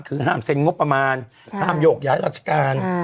คือห้ามเซ็นงบประมาณห้ามโยกย้ายราชการ